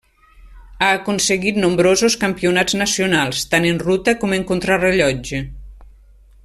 Ha aconseguit nombrosos campionats nacionals, tant en ruta com en contrarellotge.